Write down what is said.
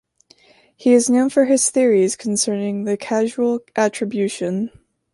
He is known for his theories concerning the causal attribution.